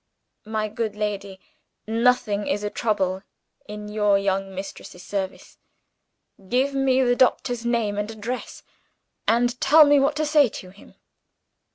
"My good lady, nothing is a trouble in your young mistress's service. Give me the doctor's name and address and tell me what to say to him."